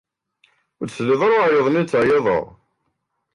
Ur d-tesliḍ ara i uɛeyyeḍ i n-nettɛeyyideɣ.